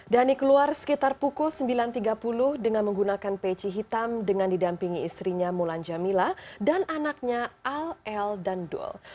dhani keluar sekitar pukul sembilan tiga puluh dengan menggunakan peci hitam dengan didampingi istrinya mulan jamila dan anaknya al el dan dul